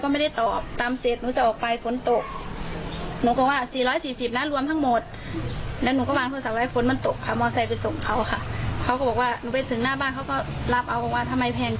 ต้องถามรายหยัดไหมว่าอุ้ยโปรดโทษค่ะไซมอนนอร์เวย์